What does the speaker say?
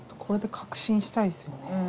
これで確信したいですよね。